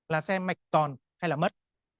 là xem mạch còn hay là mất